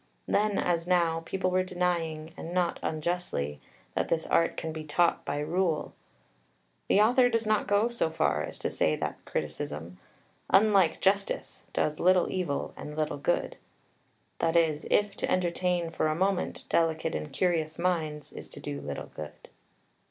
Then, as now, people were denying (and not unjustly) that this art can be taught by rule. The author does not go so far as to say that Criticism, "unlike Justice, does little evil, and little good; that is, if to entertain for a moment delicate and curious minds is to do little good."